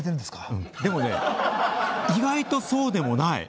でも意外とそうでもない。